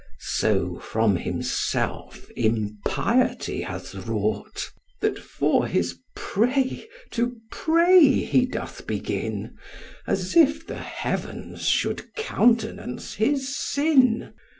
So from himself impiety hath wrought, That for his prey to pray he doth begin, As if the heavens should countenance his sin.